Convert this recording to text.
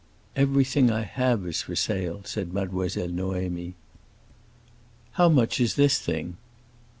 "Everything I have is for sale," said Mademoiselle Noémie. "How much is this thing?"